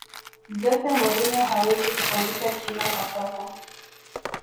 jose mourinho hawezi kufundisha china kwa sasa